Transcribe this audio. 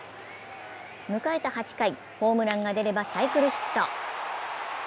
迎えた８回、ホームランが出ればサイクルヒット。